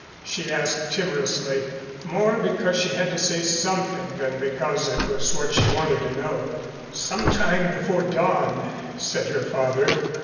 she asked timorously, more because she had to say something than because that was what she wanted to know. "Some time before dawn," said her father.